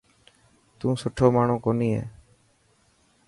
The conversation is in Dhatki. تون سٺو ماڻهو ڪوني هي.